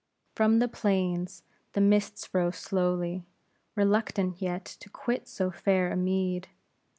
From the plains, the mists rose slowly; reluctant yet to quit so fair a mead.